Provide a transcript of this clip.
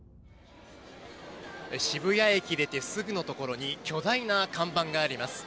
渋谷駅出てすぐのところに巨大な看板があります。